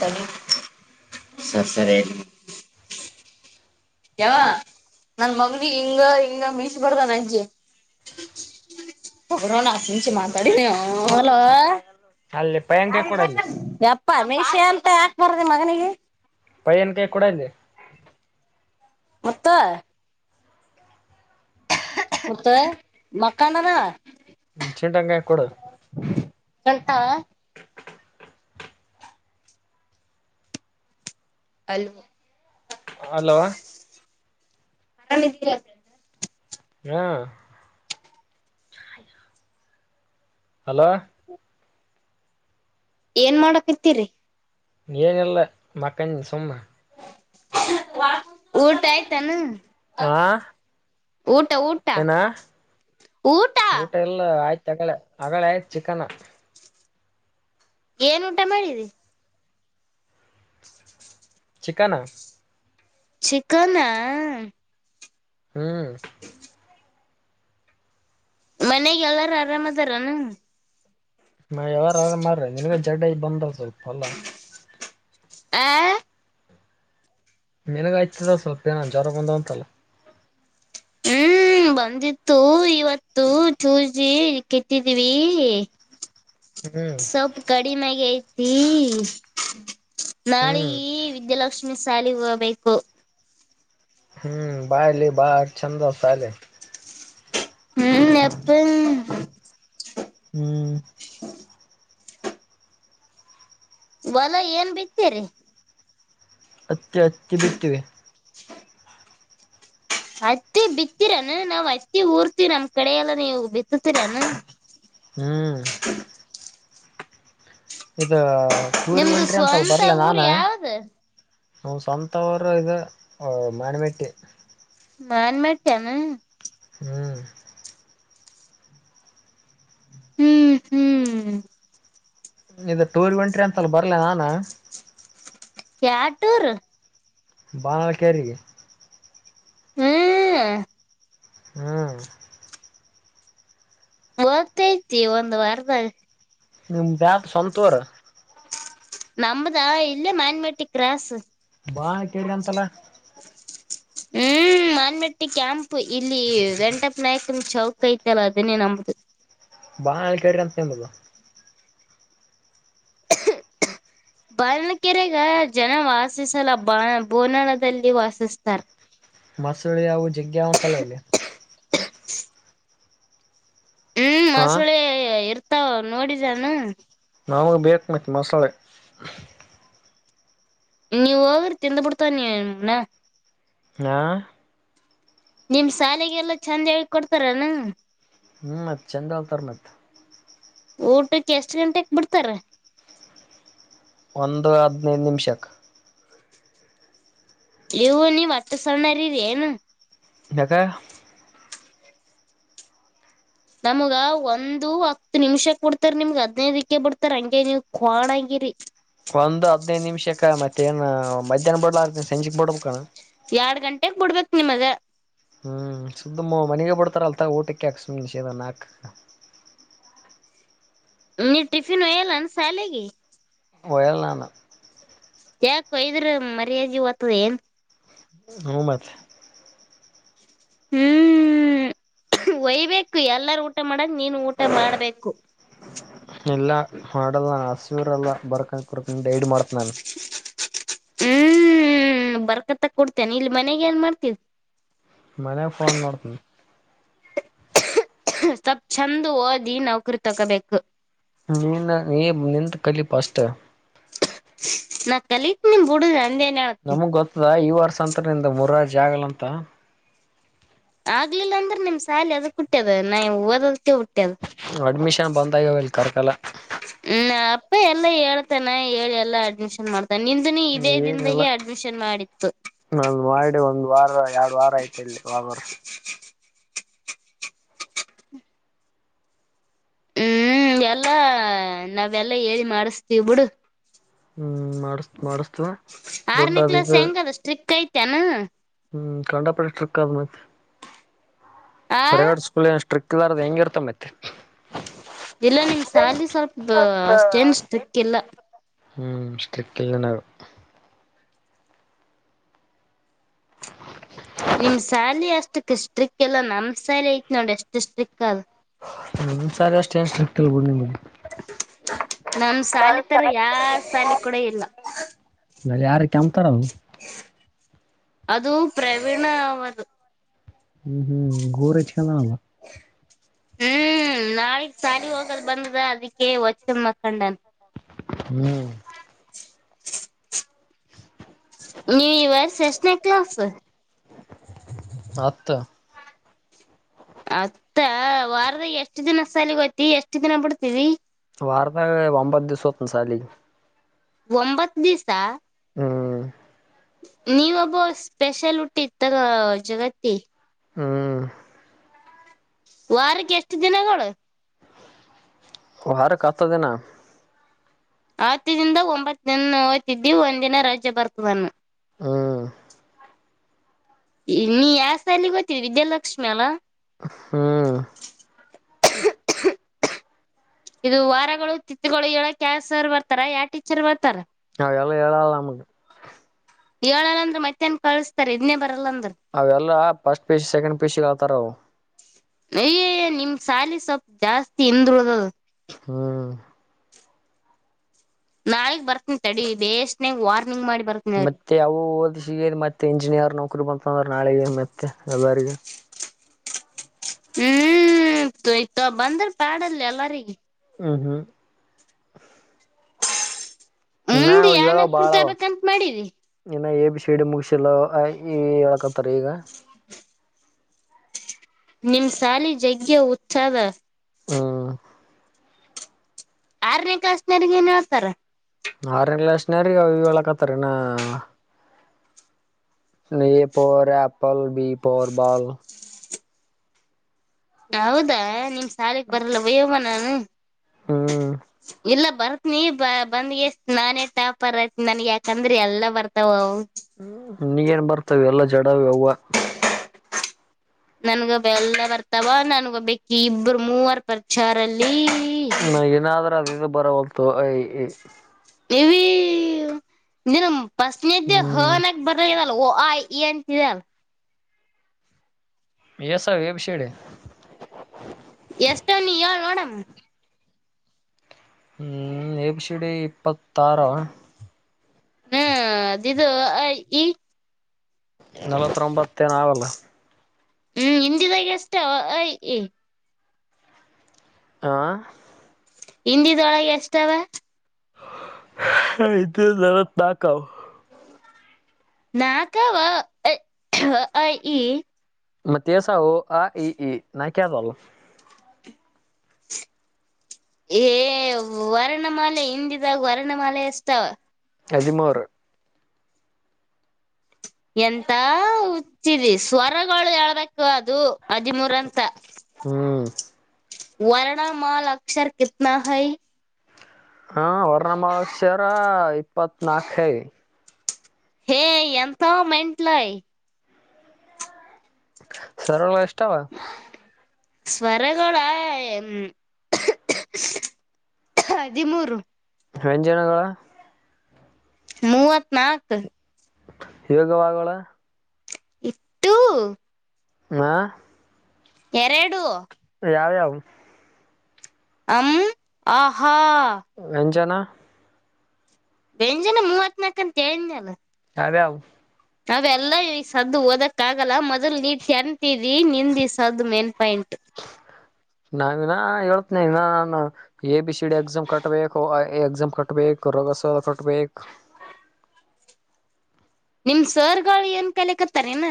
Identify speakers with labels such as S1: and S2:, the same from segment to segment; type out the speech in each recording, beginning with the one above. S1: ಟ ಸರ್ ಸರಿ [inaudible] ಯವ್ವ ನನ್ ಮಗನ ಹಿಂಗ ಹಿಂಗ ಮೀಸೆ ಬರ್ದಾರ ಅಜ್ಜಿ [unintelligible]
S2: [unintelligible]
S1: ಅವರನ ಆಸಿ ಮಾತಾಡಿಲೋ
S2: ಅಲ್ಲಿ ಪಯನ್ಕಾಯಿ ಕೊಡ ಅಲ್ಲಿ
S1: [unintelligible] ಯಪ್ಪ ಮೀಶೆ ಅಂತ ಯಾಕ್ ಬರದಿ ಮಗನಿಗೆ.
S2: ಪೈಯನ್ ಕೈಯಾಗ ಕೊಡಲ್ಲಿ. [inaudible]
S1: ಮತ್ತ ಮುತ್ತು ಮಕಂಡನ.
S2: ಮುಚೆಂಟಂಗ ಎಕ್ಕಡು
S1: ಗಂಟಾ
S2: [inaudible]
S1: ಹಲೋ
S2: ಹಲೋ.
S1: ಆರಾಮ್ ಇದ್ದೀರಾ, ಬ್ರದರ್ [unintelligible]
S2: ಹಾ ಹಲೋ
S1: ಏನ್ ಮಾಡಾಕತ್ತೀರಿ
S2: ಏನ್ ಇಲ್ಲ ಮಕ್ಕಂದಿನಿ ಸುಮ್ಮನೆ
S1: [inaudible] ಊಟ ಆಯ್ತಾನು
S2: ಹಾ
S1: ಊಟ ಊಟ
S2: ಏನ ಊಟ ಎಲ್ಲ ಆಯ್ತು ಅಗಳೆ ಹಗಳೆ ಚಿಕನ [inaudible]
S1: ಏನ್ ಊಟ ಮಾಡಿದಿ
S2: ಚಿಕನ್
S1: ಚಿಕನಾ
S2: ಹ್ಮ್
S1: ಮನೆಗೆ ಎಲ್ಲಾರು ಆರಾಮ್ದಾರನು
S2: ನಾ ಯಾವಾರ್ರ ಮಾಡ್ರ ನಿನ್ಗೆ ಜಡ ಈ ಬಂದ ಸ್ವಲ್ಪ ಅಲ್ಲ
S1: ಆ
S2: ಮೆನಗ ಆಯ್ತದ ಸ್ವಲ್ಪ ಏನ ಜ್ರ ಬಂದಾವಂತಲ್ಲ
S1: ಹ್ಮ್ ಹ್ಮ್ ಬಂದಿತ್ತು ಇವತ್ತು ಚೂಸಿ ಕೆಟ್ಟಿದೀವಿ
S2: ಹ್ಮ್
S1: ಸೊಪ ಕಡಿಮೆಗಯತಿೀ ನಾಳಗ
S2: ಹ್ಮ್
S1: ವಿದ್ಯಾಲಕ್ಷ್ಮಿ ಸಾಲಿ ಹೋಗಬೇಕು
S2: ಹ್ಮ್ ಬಹಲೆ ಬಾರ ಛಂದ ಅಾಲ
S1: ಹ್ಮ್ ಎಪ್ಪ
S2: ಹ್ಮ್
S1: ಒಲ ಏನ್ ಬಿತ್ತೀರಿ
S2: ಅತ್ತಿ ಅತ್ತಿ ಬಿಟ್ಟಿವೆ
S1: ಅತ್ತಿ ಬಿತ್ತೀರಾನ ನಾವ್ ಅತ್ತಿ ಊರ್ತಿ ನಮ್ ಕಡೆ ಎಲ್ಲಾ ನೀವು ಬಿತ್ತತೀರಾನ
S2: ಹ್ಮ್ ಇ ಟೂರಿ
S1: ನಿಮ್ದು
S2: ಉಟ್ರಿ ಅಂತಲ್
S1: ಸ್ವಂತ
S2: ಬರ್ಲ ನಾನ
S1: ಊರ್ ಯಾವ್ದ
S2: ನ ಸ್ವಂತವರು ಇ ಮಣಮೆಟ್ಟಿ
S1: ಮಾನ್ ಮಾಡಟ್ಟನು
S2: ಹ್ಮ್
S1: ಹ್ಮ್ ಹ್ಮ್
S2: ಇ ಟೂರ್ ಒಂಟ್ರಿ ಅಂತಲ್ಲ ಬರ್ಲ ನಾನ
S1: ಕ್ಯಾಟೂರ್
S2: ಬಾನಳ ಕೆರಿ
S1: ಹ್ಮ್
S2: ಹ್ಮ್
S1: ಹಓದ್ತೈತಿ ಒಂದ್ ವಾರದಾಗ
S2: ನಿಮ ಬ್ಯಾಸ್ ಸಂತೋರ
S1: ನಮದ ಇಲ್ಲೇ ಮಾನ್ಮಟ್ಟಿ ಕ್ರಸ್
S2: ಬಾ ಕೇಳಿ ಅಂತಲ್ಲ
S1: ಹ್ಮ್ ಹ್ಮ ಮಾನ್ಮಟ್ಟಿ ಕ್ಯಾಂಪ್ ಇಲ್ಲಿ ವೆಂಟಪ್ಪ ನಾಯಕನ ಚೌಕ ಐತಲ್ಲ ಅದನ್ನೇ ನಮ್ದ
S2: ಬಾಳಳ್ ಕ್ರ ಅಂತ ನಿದು
S1: ಬಾಣಲ್ಕೆರೆಗ ಜನ ವಾಸಿಸಲ್ಲ ಬ ಬೋನಾಳದಲ್ಲಿ ವಾಸಿಸ್ತಾರ
S2: ಮಸಳಿ ಯವು ಜಿಗ್ಗ ಉಂಂತಲ್ಲ ಇಲ್ಲಿ
S1: ಹ್ಮ್
S2: ಹಾ
S1: ಮೊಸಳೆ ಇರ್ತಾವ ನೋಡಿದಾನು
S2: ನಮಗೆ ಬೇಕು ಮತ್ತು ಮಸಳೆ
S1: ನೀ ಹೋಗರಿ ತಿಿಂದ ಪಡ್ತಾ ನೀಣ
S2: ಹಾ
S1: ನಿಮ್ ಶಾಲೆಗೆಲ್ಲಾ ಚೆಂದ ಆಾಗಿ ಕೊಡ್ತಾರನು
S2: ಹ್ಮ್ ಮತ್ತ ಚಂದ ಅತಾರ ಮತ್ತ
S1: ಊಟಕ್ಕೆ ಎಷ್ಟ್ ಗಂಟೆಕ್ ಬಿಡ್ತಾರ
S2: ಒಂದು ಹದಿನೈದು ನಿಮಿಷಕ್ಕೆ
S1: ಲವು ನೀ ಒತ ಸಣನ ರ ಏನು
S2: ನಕ್ಕ
S1: ನಮ್ಗ ಒಂದು ಹತ್ತು ನಿಮಿಷಕ್ ಬಿಡ್ತಾರೆ ನಿಮ್ಗ ಹದ್ನೈದಕ್ಕೆ ಬಿಡ್ತಾರ ಹಂಗೆ ನೀ ಕೊಣೆ ರಿ
S2: ಒಂದು ಹದ್ಐದ್ ನಿಮ್ಷಕ್ಕ ಮತ್ತೆ ಏನ ಮಧ್ಯಾಹ್ನ ಬಡ್ಲಾರ್ದೆ ಸಂಜೆಕ್ ಬಡ್ಬೇಕಾನ.
S1: ಎರಡ್ ಗಂಟೆಗ್ ಬಿಡ್ಬೇಕೇ ನಿಮಗ.
S2: ಹ್ಮ್ ಸುದ್ದಮ ಮನೆಗೆ ಬಡ್ತಾರ್ಅಲ್ ತೊಗ ಊಟಕ್ಕೆ ಸುಮ್ನ [unintelligible]
S1: ನೀ ಟಿಫಿನ್ ಹಯ್ಯಲ್ಲ ಶಾಲೆಗೆ.
S2: ಒಯಲ್ಲ ನಾನು.
S1: ಯಾಕ್ ಹೊಯ್ದ್ರೆ ಮರ್ಯಾದೆನ್
S2: ಹೂ ಮತ್
S1: ಹ್ಮ್ ಒಯ್ಬೇಕು ಎಲ್ಲಾರು ಊಟ ಮಡಂಗ್ ನೀನು ಊಟ ಮಾಡ್ಬೇಕು.
S2: ಇಲ್ಲಾ ಮಾಡಲ್ಲ ಹಸಿವ್ರು ಎರಲ್ಲ ಬರ್ಕ ಪರ್ರ್ಕೊಂಡ್ ಹೈಡ್ ಮಾಡ್ತಿನ್ ನಾನು.
S1: ಹ್ಮ್ ಬರ್ಕತ್ತ ಕೊಡ್ತೇನ್ ಇಲ್ ಮನೆಗ್ ಏನ್ ಮಾಡ್ತ್ಯ
S2: ಮನೆಗ್ ಫೋನ್ ನೋಡ್ತಿನ್.
S1: ಸ್ವಲ್ಪ್ ಚಂದ್ ಓದಿ ನೌಕ್ರಿ ತಕೋಬೇಕು.
S2: ನೀನಾ ನೀ ನಿಂದ್ ಕಲಿ ಪಸ್ಟ್.
S1: ನಾ ಕಲಿತಿನ್ ಬುಡುು ನಾನ್ದೇನ್,
S2: ನಮಗ್ ಗೊತ್ತದ ಈ ವರ್ಸಂತ ನಿಂದ್ ಮುರಾರ್ಜ್ ಆಗಲಂತ.
S1: ಆಗ್ಲಿಲ್ಲ ಅಂದ್ರೆ ನಿಮ್ ಸಾಲಿ ಎದಕ್ ಕುಟ್ಟ್ಯದ ನಾ ಓದದ್ಕೆ
S2: ಅಡ್ಮಿಷನ್ ಬಂದಾಗ್ಯಾವ ಇಲ್ಲಿ ಕರ್ಕಲ್ಲ.
S1: ಹ್ಮ ಅಪ್ಪ ಎಲ್ಲಾ ಹೇಳ್ತನ ಹೇಳಿ ಎಲ್ಲಾ ಅಡ್ಮಿಷನ್ ಮಾಡ್ ನಿಂದುನು ಇದೇ
S2: ಏನಿಲ್ಲ
S1: ದಿನ್ದಾಗೆ ಅಡ್ಮಿಷನ್ ಮಾಡಿತ್ತು.
S2: ನಾನ್ ಮಾಡಿ ಒಂದ್ ವಾರ ಎರಡು ವಾರ ಆಯ್ತ ಇಲ್ಲಿ [unintelligible]
S1: ಹ್ಮ್ ಎಲ್ಲಾ ನಾವೆಲ್ಲಾ ಹೇಳಿ ಮಾಡಸ್ತೀವಿ ಬಿುಡು.
S2: ಹ್ಮ್ ಮಾಡಸ್ ಮಾಡಸ್ತವ
S1: ಆರ್
S2: ದೊಡ್ಡ
S1: ನೇ
S2: ಅದ
S1: ಕ್ಲಾಸ್
S2: ಇದು
S1: ಹೆಂಗ್ ಅದ ಸ್ಟ್ರಿಕ್ ಐತೆನ.
S2: ಹ್ಮ್ ಕಂಡಪ ಸ್ಟ್ರಿಕ್ ಆದ್ ಮತ್ತೆ
S1: ಆ
S2: ಪ್ರೈವೇಟ್ ಸ್ಕೂಲ್ ಸ್ಟ್ರಿಕ್ - [unintelligible] ಇರ್ಲಾರ್ದೆ ಹೆಂಗ್ ಇರ್ತನ್ ಮತ್
S1: ಇಲ್ಲ ನಿಮ್ ಸಾಲಿ ಸ್ವಲ್ಪ ಅಷ್ಟೇನ್ ಸ್ಟಿಟ್ ಇಲ್ಲ.
S2: ಹ್ಮ್ ಸ್ಟ್ರಿಟ್ ಇಲ್ಲ ನಾವು. [inaudible]
S1: ನಿಮ್ ಸಾರಿ ಅಷ್ಟಕ್ ಸ್ಟ್ರಿಕ್ ಎಲ್ಲ ನಮ್ ಸಾಲಿ ಐತ್ ನೋಡಿ ಎಷ್ಟು ಸ್ಟ್ರಿಕ್ ಅದ.
S2: ನಿಮ್ ಸಾಲಿ ಅಷ್ಟೇನ್ ಸ್ಟ್ರಿಟ್ ಇಲ್ ಬಿಡ್ - -
S1: ನಮ್ ಸಾಲಿ ತರ ಯಾರ್ ಸಾಲಿ ಕೂಡ ಇಲ್ಲ.
S2: ಅಲ್ಲಿಯಾರು ಕೆಮ್ತಾರದು.
S1: ಅದು ಪ್ರವೀಣ ಅವದು.
S2: ಹ್ಮ್ ಹ್ಮ್ ಗೂರ್ ಹಚ್ [unintelligible]
S1: ಹ್ಮ್ ನಾಳಿಗ್ ಸಾಲಿ ಹೋಗದ್ ಬಂದ್ ಅದ ಅದಿಕ್ಕೆ ವಾಚ್ಕೊಂಡ್ ಮಕ್ಕಂಡನ.
S2: ಹ್ಮ್
S1: ನೀನ್ ಇ ವರ್ಷ್ ಎಸ್ಟ್ನೆ ಕ್ಲಾಸು.
S2: ಹತ್ತು
S1: ಹತ್ತ ವಾರದಾಗ ಎಷ್ಟ ದಿನ ಸಾಲಗೋಯ್ತಿ ಎಷ್ಟ್ ದಿನ ಬಿಡ್ತೀದಿದಿ.
S2: ವಾರ್ದಾಗ ಒಂಬತ್ತು ದಿಸ ಹೊತ್ತಿನ್ ಸಾಲಿಗೆ.
S1: ಒಂಬತ್ ದಿಸ.
S2: ಹ್ಮ್
S1: ನೀನ್ ಒಬ್ಬ ಸ್ಪೆಷಲ್ ಹುಟ್ಟಿ ತಗ ಜಗತ್ತಿಗೆ
S2: ಹ್ಮ್
S1: ವಾರಕ್ಕೆ ಎಷ್ಟು ದಿನಗಳು.
S2: ವಾರಕ್ ಹತ್ತು ದಿನ.
S1: ಹತ್ತುದಿಂದಗ್ ಒಂಬತ್ತು ಹೋಯ್ತಿದ್ದಿ ಒಂದಿನ ರಜೆ ಬರ್ತದೆನೂ.
S2: ಹ್ಮ
S1: ನೀ ಯಾವ್ ಸಾಲಿಗ್ ಹೊತ್ತಿದಿ ವಿದ್ಯಾಲಕ್ಷ್ಮಿ ಅಲ.
S2: ಹ್ಮ್
S1: ಇದು ವಾರಗಳು ತಿತ್ಗಳು ಹೇಳಕ್ ಯ ಸರ್ ಬರ್ತಾರ ಯಾವ ಟೀಚರ್ ಬರ್ತಾರ
S2: ಹ ಎಲ್ಲ ಎಳಲ್ಲಾಮ
S1: ಏ ಅಂದ್ರೆ ಮತ್ತಹನ್ ಕಳಸ್ತಾರೆ ಇದನ್ನೇ ಬರಲ್ಲ ಅ
S2: ಅವೆಲ್ಲಾ ಫಸ್ಟ್ ಪೀಸ್ ಸೆಕೆಂಡ್ ಪೀಶಿಗೆತಾರ ಅವ
S1: ಅಯ್ಯಯ್ಯ ನಿಮ್ ಸಾಲಿ ಸ್ವಲ್ಪ್ ಜಾಸ್ತಿ ಹಿಂದರುಳ
S2: ಹ್ಮ್
S1: ನಾಳಗ್ ಬರ್ತೀನ ತಡಿ ಬೇಷ್ಟನೆಗ್ ವಾರ
S2: ಮತ್ತೆ ಅವು ಓದ್ ಸಿಗ ಮತ್ತೆ ಇಂಜಿನಿಯರ್ ನೌಕರಿ ಬಂತ ನಾಳೆಗೆ ಮೆತ್ತೆ ಎಲ್ಲರಿಗ
S1: ಹ್ಮ್ ಇತ ಬಂದ್ರ ಪಾಡಲ್ಲಿ ಎಲ್ಲಾರಗ
S2: ಹ್ಮ ಹಾ ನಾ
S1: ಮುಂದ್
S2: ಹೇಳ ಒಬ್ಬ
S1: ಯಾನಕ್
S2: ಬಾಳಾವ
S1: ಕುರ್ತಾಬೇಕಂತ ಮಾಡಿರಿ
S2: ಇ ಎ ಶಿಡಿ ಮುಗಿಸ ಎಲ್ಲ ಹೇಳಕತ್ತಾರೆ ಈಗ
S1: ಹ ನಿಮ್ ಸಾಲಿ ಜಗ್ಗೆ ಉತ್ಸದ
S2: ಹ್ಮ
S1: ಆರನೇ ಕ್ಲಾಸ್ನರೆಗ ಏನ್ ಹೇಳ್ತಾರ
S2: ಆರನೇ ಕ್ಲಾಸ ಅವರಿಗೆ ಹೇಳ ಕತ್ತಿ ನ A for apple B for ball
S1: ಹೌದಾ ನಿಮ್ ಶಾಲೆಗೆ ಬರಲ್ಲ ಬಯ್ಯೋಬ ನಾನು
S2: ಹ್ಮ
S1: ಇಲ್ಲ ಬರ್ತ್ನಿ ಬ ಬಂದ್ಗೆ ಎಷ್ಟ ನಾನೇ ಟಾಪರ್ಐತನಿ ನನ್ ಯಾಕಂದ್ರಿ ಎಲ್ಲಾ ಬರ್ತಾವ
S2: ನೀಗೇನ್ ಬರ್ತವ ಎಲ್ಲಾ ಜಡ್ವ
S1: ನನ್ಗ ಎಲ್ಲ ಬರ್ತಾವ ನನ್ಗಬ್ ಬಿ ಇಬ್ರು ಮೂವರ್ ಪರಿಚಾರಲ್ಲಿ
S2: ಹ ಏನಾದ್ರೂ ಅದ ಇದು ಬರ ಹೊಲ್ತು ಅ ಆ ಇ ಈ
S1: ನೀನು ಪಸ್ನ ಇದ್ದೆ ಅ
S2: ಹ್ಮ್
S1: ಹೋನ್ಕ ಬರಲ್ಲ ಆ ಇ ಅಂತಿರಲ್ಲ
S2: ಎಸ ಎೇಬ ಶೇಡೆ
S1: ಎಷ್ಟ ನೀ ಹೇಳ ನೋಡಮ್
S2: ಹ್ಮ್ ಎಬಿ ಸಿ ಡಿ ಇಪ್ಪತ್ತ ಆರ
S1: ಇದುಅ ಆ ಇ ಈ
S2: ನಲವತ್ಬತ್ತೇ ನಾವಲ್ಲ
S1: ಹ್ಮ್ ಹಿಂದಿದಾಗ ಅಷ್ಟ
S2: ಆ
S1: ಹಿಂದಿದೊಳಗೆ ಎಷ್ಟಾವ
S2: ಹಿಂದಿ ಒಳಗ ನಲ್ವತ್ನಾಕ್ ಅವ
S1: ನಾಕವಾ ಅ ಆ ಇ ಈ
S2: ಮತ್ತೇಸ ಆ ಈ ಈ ನಾ ಕ್ದ ಅಲ್ ಹ
S1: ಏ ವರ್ಣಮಾಲೆ ಹಿಂದಿದಾಗ ವರ್ಣಮಾಲೆ ಎಷ್ಟಾವ
S2: ಹದಿಮೂರು
S1: ಎಂತ ಹುಚ್ಚಿದ ಸ್ವರಗಳು ಹೇಳ್ಬೇಕು ಅದು ಹದಿಮೂರಂತ
S2: ಹ್ಮ್
S1: ವರ್ಣ ಮಾಲ ಅಕ್ಷರ ಕತನಾ ಹೈ
S2: ಹಾ ವರ್ಣಮಲ ಅಕ್ಷರ ಇಪ್ಪತ್ನಾಕೈ
S1: ಹ ಎಂತ ಮೆಂಟಲಯ
S2: ಸರಳ ಇಷ್ಟಾವ
S1: ಸ್ವರಗೋಳ ಹದಿಮೂರು
S2: ವ್ಯಂಜನಗಳ
S1: ಮೂವತ್ ನಾಲ್ಕು
S2: ಇವಾಗವಾಗಳ
S1: ಟ್ಟು
S2: ಹ
S1: ಎರಡು
S2: ಯಾವವು
S1: ಹಂ ಆಹಾ
S2: ನನ್ ಜನ
S1: ವ್ಯಂಜನ ಮೂವತ್ನಾಕ ಅಂತ ಕಲ್ಲ
S2: ಯದೇ ಅವು
S1: ಅವೆಲ್ಲ ಈ ಸದ್ದು ಓದಕ್ಕ ಆಗಲ್ಲ ಮೊದ್ಲ್ ನೀ ತೆಂತಿದಿ ನಿಂದಿ ಸದ್ದು ಮೆನ್ಪಾಯಂಟ್
S2: ಹ ನಾನಿನ ಹೇಳ್ತನ ಇ ನಾನ A B C D exam ಕಟ್ಬೇಕು ಎ ಎಕ್ಸಾಮ್ ಕಟ್ಬೇಕು ಬಸ ಕೊಟ್ಬೇಕು
S1: ನಿಮ ಸರ್ಗಳು ಏನ್ ಕಲೆ ಕತ್ತಾರ ಏನ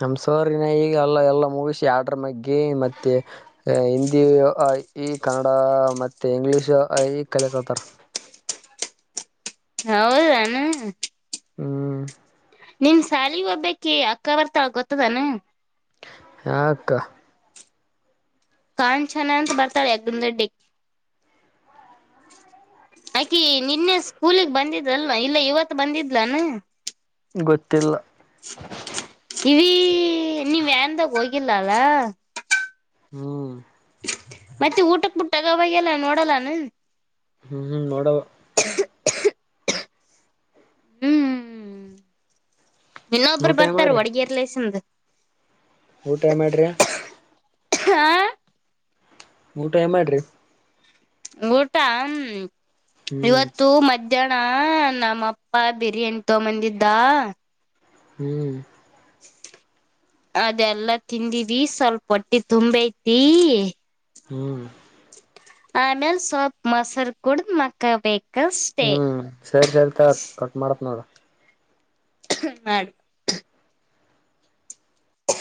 S2: ನಮ್ ಸೋರಿನಾ ಈಗ ಎಲ್ಲ ಎಲ್ಲ ಮೂವೀಸ್ ಆರ್ಡ್ರ ಮಗೆ ಮತ್ತೆ ಹಿಂದಿ ಈ ಕನ್ನಡ ಮತ್ತೆ ಇಂಗ್ಲಿಷ್ ಈ ಕಲ ಕಲತಾರ
S1: ಹೌದಾನ
S2: ಹ್ಮ್
S1: ನಿನ್ ಸಾಲಿ ಒಬ್ಬೇಕಿ ಅಕ್ಕ ಬರ್ತಾಳ ಗೊತ್ತದಾನ
S2: ಹಕ್ಕ
S1: ಕಾಣ ಚನ ಅಂತ ಬರ್ತಾಳೆ ಯಗ್ಗಂದ ರೆಡ್ಡಿ ಆಕಿ ನಿನ್ನೆ ಸ್ಕೂಲಗ್ ಬಂದಿದ್ಲ್ವಾ ಇಲ್ಲ ಇವತ್ತು ಬಂದಿದ್ಲಾನ
S2: ಗೊತ್ತಿಲ್ಲ
S1: ಇವೀ ನೀವ್ ವ್ಯಾನ್ದಾಗ ಹೋಗಿಲ್ಲ ಅಲ್ಲ
S2: ಹ್ಮ್
S1: ತಗ ಬಾಗ ಎಲ್ಲ ನೋಡಲ್ಲಾನ
S2: ಹ್ಮ್ ಹ್ಮ್ ನೋಡುವ
S1: ಹ್ಮ್ ಇನ್ನೊಬ್ರು
S2: ಊಟ ಏನ್
S1: ಬರ್ತಾರ ಹಡ್ಗಿರ್ಲಸನ್
S2: ಊಟೈಮೆಟ್ರ
S1: ಹ
S2: ಊಟ ಏ ಮಾಡ್ರಿ
S1: ಊಟ ಹ್ಮ
S2: ಹ್ಮ್
S1: ಇವತ್ತು ಮಧ್ಯ ಇದಣ ನಮ್ಮಪ್ಪ ಬಿರಿಯಾನಿ ತಗಂಬಂದಿದ್ದ
S2: ಹ್ಮ್
S1: ಅದೆಲ್ಲ ತಿಂದೀವಿ ಸ್ವಲ್ಪ ಹೊಟ್ಟಿ ತುಂಬಐತಿ
S2: ಹ್ಮ್
S1: ಆಮೇಲ್ ಸ್ವಲ್ಪಪ್ ಮೊಸರು ಕುೂಡ್ದ್ ಮಕ್ಕ ಬೇಕು
S2: ಹ್ಮ್ ಸರಿ ಸರಿ ತತ್ ಕಟ್ ಮಾಡತ್ ನೋಡ
S1: ಮಾಡ ಹ